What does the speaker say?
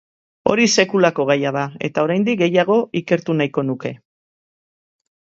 Hori sekulako gaia da, eta oraindik gehiago ikertu nahi nuke.